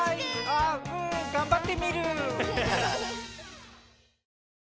あうんがんばってみる。